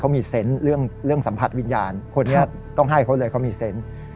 เขามีเซนต์เรื่องสัมผัสวิญญาณคนนี้ต้องให้เขาเลยเขามีเซนต์